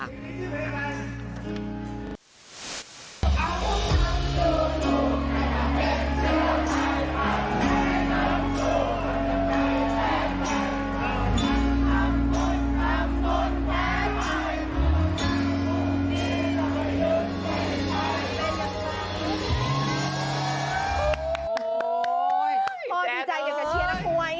โอ้ยพ่อดีใจอย่างกับเชียร์น้ำคล้วย